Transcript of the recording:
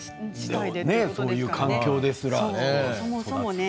こういう環境ですらね。